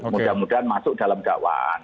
mudah mudahan masuk dalam dakwaan